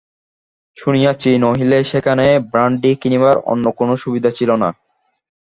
শুনিয়াছি নহিলে সেখানে ব্রাণ্ডি কিনিবার অন্য কোনো সুবিধা ছিল না।